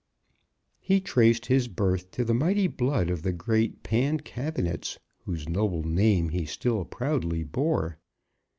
He traced his birth to the mighty blood of the great Pancabinets, whose noble name he still proudly bore.